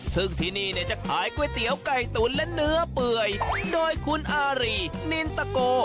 ซึ่งที่นี่เนี่ยจะขายก๋วยเตี๋ยวไก่ตุ๋นและเนื้อเปื่อยโดยคุณอารีนินตะโก